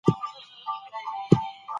پرېکړې باید ژور فکر ولري